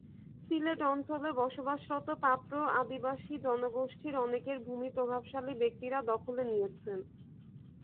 সিলেট অঞ্চলে বসবাসরত পাত্র আদিবাসী জনগোষ্ঠীর অনেকের ভূমি প্রভাবশালী ব্যক্তিরা দখলে নিয়েছেন।